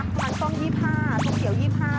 มันต้อง๒๕โซ่เขียว๒๕ค่ะ